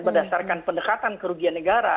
berdasarkan pendekatan kerugian negara